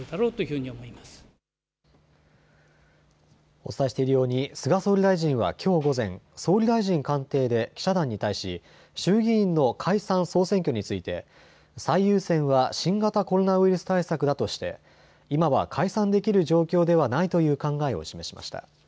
お伝えしているように菅総理大臣はきょう午前、総理大臣官邸で記者団に対し衆議院の解散・総選挙について最優先は新型コロナウイルス対策だとして今は解散できる状況ではないという考えを示しました。